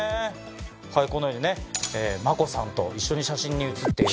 このようにねＭＡＫＯさんと一緒に写真に写っている。